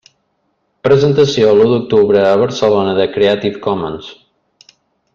Presentació l'u d'octubre a Barcelona de Creative Commons.